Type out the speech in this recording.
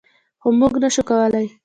خو موږ نشو کولی.